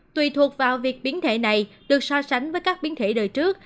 tùy thuộc vào việc biến thể này được so sánh với các biến thể đời trước